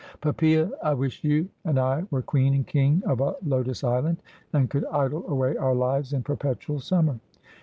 Poppsea, I wish you and I were queen and king of a Lotos Island, and could idle away our lives in perpetual summer.'